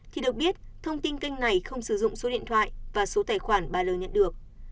khi được biết thông tin kênh này không sử dụng số điện thoại và số tài khoản bà l nhận được